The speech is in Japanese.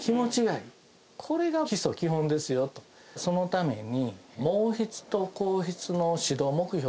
そのために。